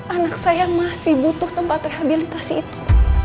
anak saya masih butuh tempat rehabilitasi itu